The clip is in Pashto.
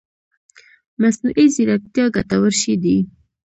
مصنوعي ځيرکتيا ګټور شی دی